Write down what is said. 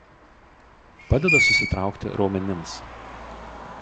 Padeda susitraukti raumenims.